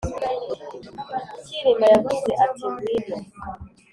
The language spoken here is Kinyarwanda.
cyilima yavuze ati ngwino